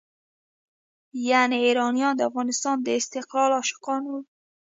یعنې ایرانیان د افغانستان د استقلال عاشقان وو.